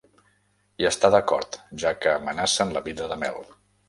Hi està d'acord, ja que amenacen la vida de Mel.